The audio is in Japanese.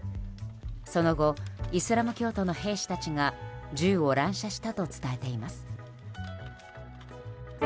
その後、イスラム教徒の兵士たちが銃を乱射したと伝えています。